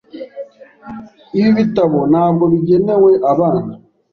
Ibi bitabo ntabwo bigenewe abana .